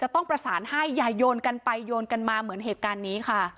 ต้องประสานให้อย่าโยนกันไปโยนกันมาเหมือนเหตุการณ์นี้ค่ะ